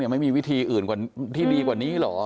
ไม่มีวิธีอื่นที่ดีกว่านี้เหรอ